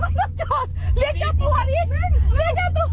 มันเปิดไก่